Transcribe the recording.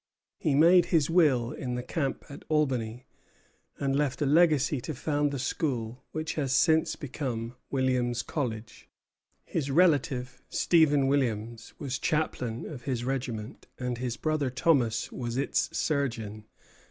He made his will in the camp at Albany, and left a legacy to found the school which has since become Williams College. His relative, Stephen Williams, was chaplain of his regiment, and his brother Thomas was its surgeon.